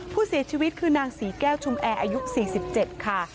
ผู้เสียชีวิตคือนางศรีแก้วชุมแอร์อายุ๔๗ค่ะ